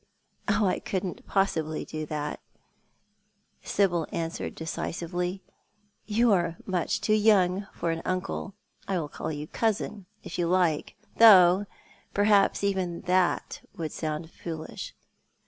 " Oh, I couldn't possibly do that," Sibyl answered, decisively ; 88 Thoit art the Man. " you are much too young for an uncle. I'll call you cousin, if you like, though perhaps even that would sound foolish.